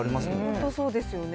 本当そうですよね。